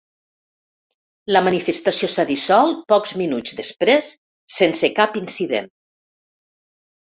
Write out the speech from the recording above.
La manifestació s’ha dissolt pocs minuts després sense cap incident.